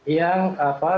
yang tidak didapatkan